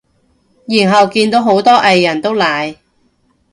然後見到好多藝人都奶